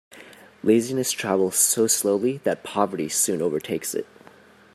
Laziness travels so slowly that poverty soon overtakes it.